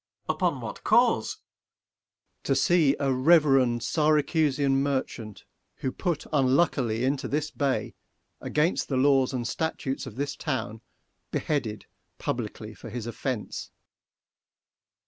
Ang. Upon what cause? Sec. Mer. To see a reverend Syracusian merchant, Who put unluckily into this bay 125 Against the laws and statutes of this town, Beheaded publicly for his offence.